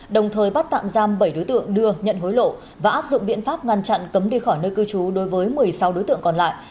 đồng thời bắt tạm giam bảy đối tượng đưa nhận hối lộ và áp dụng biện pháp ngăn chặn cấm đi khỏi nơi cư trú đối với một mươi sáu đối tượng còn lại